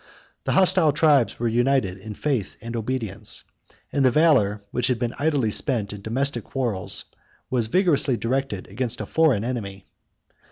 The hostile tribes were united in faith and obedience, and the valor which had been idly spent in domestic quarrels was vigorously directed against a foreign enemy.